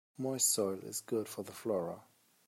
Moist soil is good for the flora.